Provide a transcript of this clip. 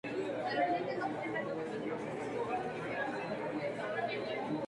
Zonas con hierba entre rocas y pequeños pedreros, pendientes fuertes con abundancia de gramíneas.